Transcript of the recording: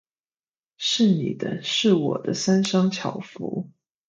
是你的；是我的，三商巧福。